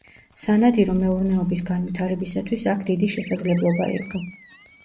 სანადირო მეურნეობის განვითარებისათვის აქ დიდი შესაძლებლობა იყო.